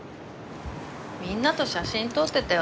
みんなと写真撮ってたよ